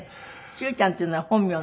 修ちゃんっていうのは本名なの？